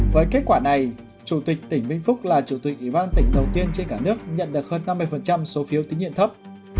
với kết quả này chủ tịch tỉnh vĩnh phúc là chủ tịch ủy ban tỉnh đầu tiên trên cả nước nhận được hơn năm mươi số phiếu tín nhiệm thấp